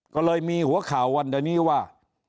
ก็เลยมีหัวข่าววันนี้ว่า